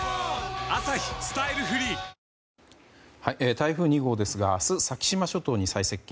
台風２号ですが明日、先島諸島に最接近。